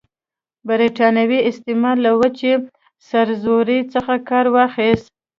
برټانوي استعمار له وچې سرزورۍ څخه کار واخیست.